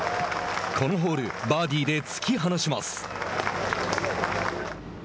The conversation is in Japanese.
このホール、バーディーで突き放します。